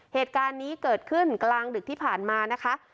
เหตุการณ์นี้เกิดขึ้นกลางดึกที่ผ่านมานะคะ